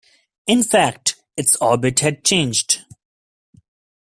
In fact, its orbit had changed.